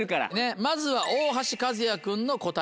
まずは大橋和也君の答え